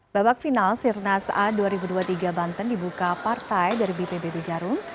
babak final sirnas a dua ribu dua puluh tiga banten dibuka partai dari bpbb jarum